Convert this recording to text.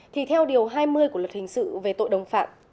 thì theo điều hai mươi của luật hình sự về tội đồng phạm